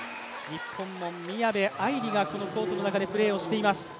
日本の宮部藍梨がこのコートの中でプレーをしています。